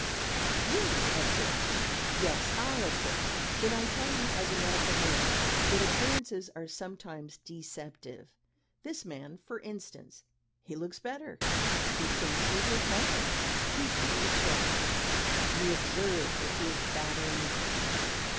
"You, of course." "Yes; I, of course. Then I tell you, as a medical man, that appearances are sometimes deceptive. This man, for instance he looks better; he thinks he is recovering; he feels stronger. You observe that he is fatter in the face.